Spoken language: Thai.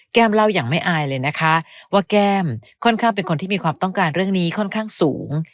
เล่าอย่างไม่อายเลยนะคะว่าแก้มค่อนข้างเป็นคนที่มีความต้องการเรื่องนี้ค่อนข้างสูง